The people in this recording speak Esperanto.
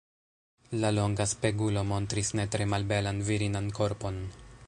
La longa spegulo montris ne tre malbelan virinan korpon.